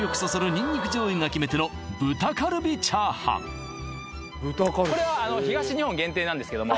にんにく醤油が決め手のこれは東日本限定なんですけども